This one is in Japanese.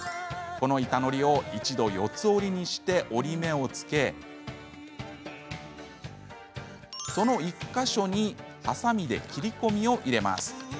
この板のりを一度四つ折りにして折り目をつけその１か所にはさみで切り込みを入れます。